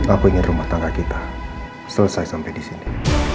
aku ingin rumah tangga kita selesai sampai disini